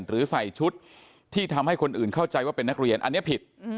หรือใส่ชุดที่ทำให้คนอื่นเข้าใจว่าเป็นนักเรียนอันนี้ผิด